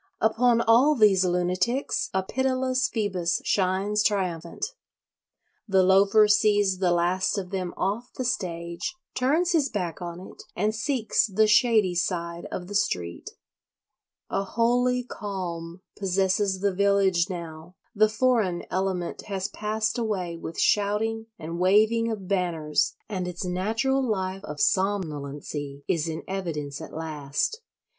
Upon all these lunatics a pitiless Phoebus shines triumphant. The Loafer sees the last of them off the stage, turns his back on it, and seeks the shady side of the street. A holy calm possesses the village now; the foreign element has passed away with shouting and waving of banners, and its natural life of somnolency is in evidence at last.